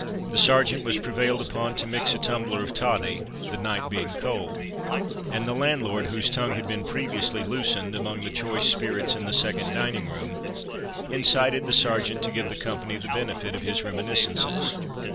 The Sergeant was prevailed upon to mix a tumbler of toddy, the night being cold, and the landlord, whose tongue had been previously loosened, among the choice spirits in the second dining room, incited the Sergeant to give the company the benefit of his reminiscences.